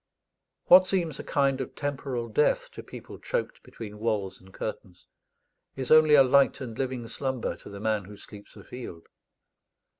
What seems a kind of temporal death to people choked between walls and curtains, is only a light and living slumber to the man who sleeps afield.